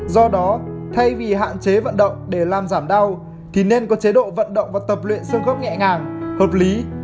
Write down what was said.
do đó thay vì hạn chế vận động để làm giảm đau thì nên có chế độ vận động và tập luyện xương khớp nhẹ nhàng hợp lý